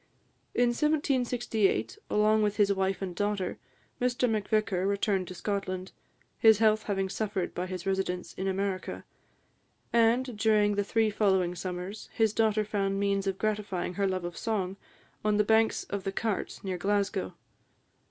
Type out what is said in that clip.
In 1768, along with his wife and daughter, Mr Macvicar returned to Scotland, his health having suffered by his residence in America; and, during the three following summers, his daughter found means of gratifying her love of song, on the banks of the Cart, near Glasgow.